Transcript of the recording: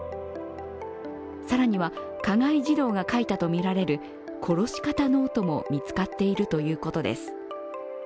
更には加害児童が書いたとみられる殺し方ノートも見つかっているということです。